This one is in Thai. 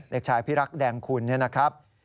เด็กชายอภิรักษ์แดงคุณนะครับ